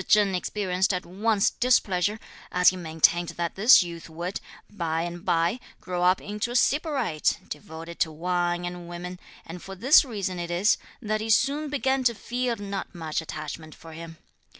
Cheng experienced at once displeasure, as he maintained that this youth would, by and bye, grow up into a sybarite, devoted to wine and women, and for this reason it is, that he soon began to feel not much attachment for him.